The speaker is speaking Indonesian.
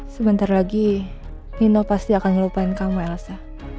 sebentar lagi mino pasti akan ngelupain kamu elsa